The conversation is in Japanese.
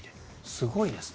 すごいですね。